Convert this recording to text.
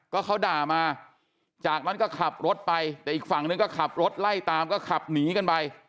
ก็เขาด่ามาจากนั้นก็ขับรถไปแต่อีกฝั่งนึงก็ขับรถไล่ตามก็ขับหนีกันไป